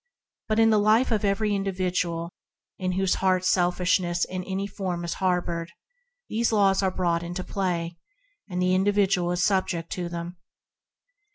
But in the life of every individual in whose heart selfishness in any form is harbored these laws are brought into play, and the individual is subject to them.